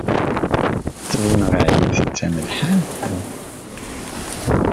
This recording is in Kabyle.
Ttbineɣ-ak-d d tamelḥant?